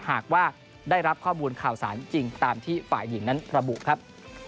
หากว่าได้รับข้อมูลข่าวสารจริงตามที่ฝ่ายหญิงนั้นระบุครับ